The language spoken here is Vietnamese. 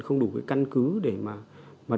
không đủ cái căn cứ để mà đòi